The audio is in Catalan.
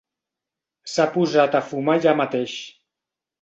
S'ha posat a fumar allà mateix.